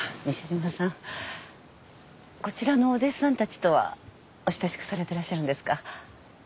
こちらのお弟子さんたちとはお親しくされてらっしゃるんですか？